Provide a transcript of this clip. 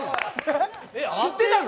知ってたの？